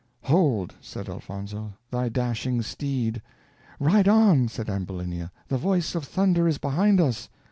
"Hold," said Elfonzo, "thy dashing steed." "Ride on," said Ambulinia, "the voice of thunder is behind us."